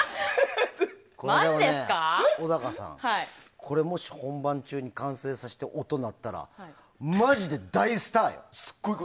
これはね、小高さんもし本番中に完成させて音が鳴ったらマジで大スターよ。